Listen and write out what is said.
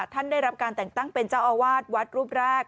ได้รับการแต่งตั้งเป็นเจ้าอาวาสวัดรูปแรก